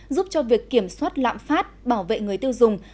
giúp cho việc kiểm soát lạm phát bảo vệ người tiêu dùng